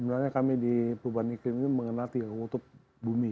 sebenarnya kami di perubahan iklim ini mengenali kutub bumi